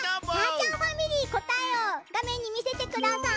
ちゃんファミリーこたえをがめんにみせてください。